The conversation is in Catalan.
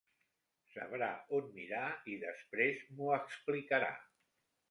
Sabrà on mirar i després m'ho explicarà.